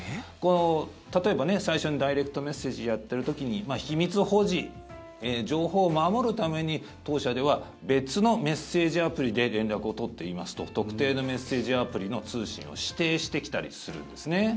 例えば最初にダイレクトメッセージをやっている時に秘密保持、情報を守るために当社では別のメッセージアプリで連絡を取っていますと特定のメッセージアプリの通信を指定してきたりするんですね。